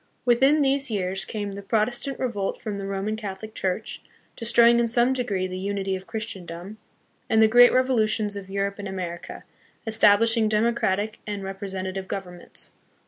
Within these years came the Protestant revolt from the Roman Catholic Church, destroying in some degree the unity of Christendom; and the great revolutions of Europe and America, establish ing democratic and representative governments.